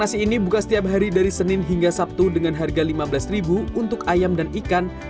nasi ini buka setiap hari dari senin hingga sabtu dengan harga rp lima belas untuk ayam dan ikan